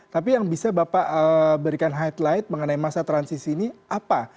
tapi yang bisa bapak berikan highlight mengenai masa transisi ini apa